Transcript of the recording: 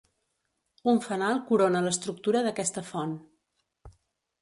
Un fanal corona l'estructura d'aquesta font.